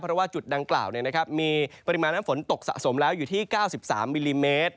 เพราะว่าจุดดังกล่าวมีปริมาณน้ำฝนตกสะสมแล้วอยู่ที่๙๓มิลลิเมตร